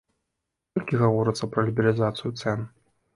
Колькі гаворыцца пра лібералізацыю цэн?